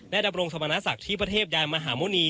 และดำรงสมณศักดิ์ที่พระเทพยายามหาโมนี